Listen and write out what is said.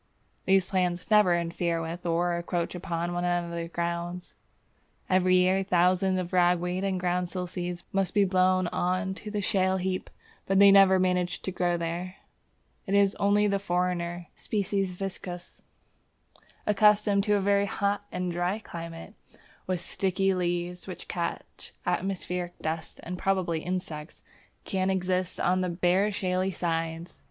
These plants never interfere with or encroach upon one another's grounds. Every year thousands of ragweed and groundsel seeds must be blown on to the shale heap, but they never manage to grow there. It is only the foreigner (S. viscosus), accustomed to a very hot and dry climate, and with sticky leaves which catch atmospheric dust and probably insects, that can exist on the bare shaly sides.